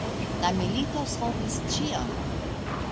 La milito solvis ĉion.